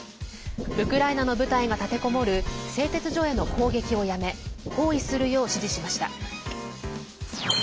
ウクライナの部隊が立てこもる製鉄所への攻撃をやめ包囲するよう指示しました。